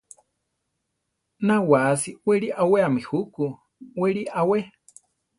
Na wáasi wéli aweami juku; weri awé.